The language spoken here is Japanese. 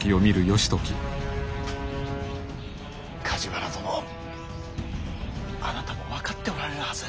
梶原殿あなたも分かっておられるはず。